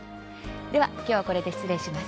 では今日はこれで失礼します。